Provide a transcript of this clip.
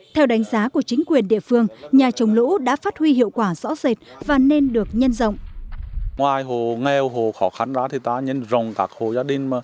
theo đánh giá của chính quyền địa phương nhà trồng lũ đã phát huy hiệu quả rõ rệt và nên được nhân rộng